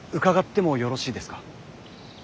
伺ってもよろしいですか。